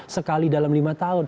sekali dalam lima tahun